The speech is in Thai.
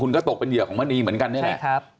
ก็ตกเป็นเหยื่อของมณีเหมือนกันนี่แหละ